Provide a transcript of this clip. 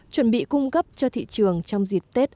chuẩn bị cung cấp cho thị trường trong dịp tết âm lịch sắp đến